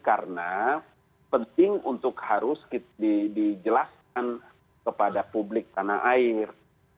karena penting untuk harus dijelaskan kepada publik tanah air